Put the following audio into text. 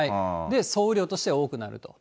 総雨量としては多くなると。